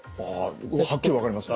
はっきり分かりますね。